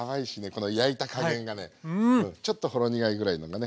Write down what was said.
この焼いた加減がねちょっとほろ苦いぐらいのがね。